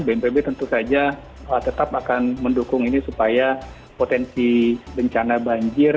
bnpb tentu saja tetap akan mendukung ini supaya potensi bencana banjir